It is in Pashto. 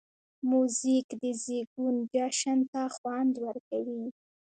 موزیک د زېږون جشن ته خوند ورکوي.